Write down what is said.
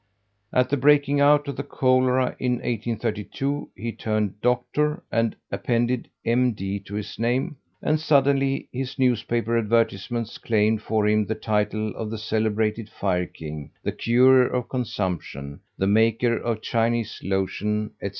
At the breaking out of the cholera in 1832 he turned Doctor, and appended M.D., to his name, and suddenly his newspaper advertisements claimed for him the title of the celebrated Fire King, the curer of consumption, the maker of Chinese Lotion, etc.